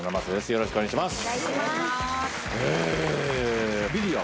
よろしくお願いします。